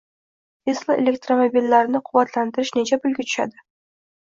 Tesla elektromobillarini quvvatlantirish necha pulga tushadi?